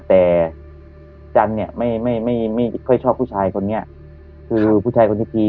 แต่จันเนี่ยไม่ไม่ไม่ค่อยชอบผู้ชายคนนี้คือผู้ชายคนที่พี